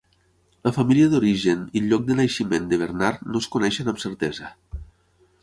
La família d'origen i el lloc de naixement de Bernard no es coneixen amb certesa.